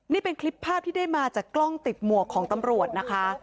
นี่เป็นคลิปภาพที่ได้มาจากกล้องติดหมวกของตำรวจนะคะ